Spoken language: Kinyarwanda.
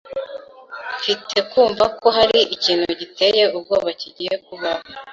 Mfite kumva ko hari ikintu giteye ubwoba kigiye kubaho.